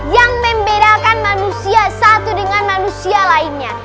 yang membedakan manusia satu dengan manusia lainnya